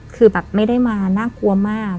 คือแบบไม่ได้มาน่ากลัวมาก